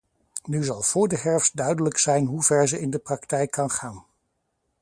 Nu zal voor de herfst duidelijk zijn hoever ze in de praktijk kan gaan.